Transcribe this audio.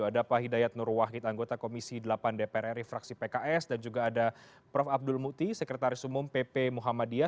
ada pak hidayat nur wahid anggota komisi delapan dpr ri fraksi pks dan juga ada prof abdul muti sekretaris umum pp muhammadiyah